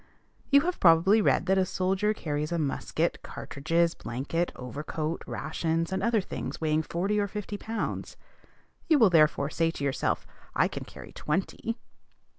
You have probably read that a soldier carries a musket, cartridges, blanket, overcoat, rations, and other things, weighing forty or fifty pounds. You will therefore say to yourself, "I can carry twenty."